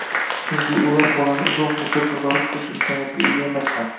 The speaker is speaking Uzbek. chunki ular bolani uzoq muddat nazorat qilish imkoniyatiga ega emaslar.